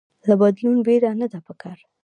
له بدلون ويره نده پکار